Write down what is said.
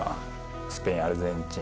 スペイン、アルゼンチン。